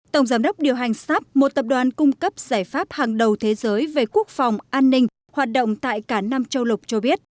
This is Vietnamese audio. tổng giám đốc điều hành shop một tập đoàn cung cấp giải pháp hàng đầu thế giới về quốc phòng an ninh hoạt động tại cả năm châu lục cho biết